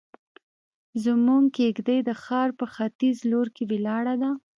زموږ کيږدۍ د ښار په ختيز لور کې ولاړه ده.